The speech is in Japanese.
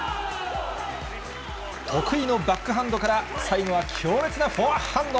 得意のバックハンドから、最後は強烈なフォアハンド。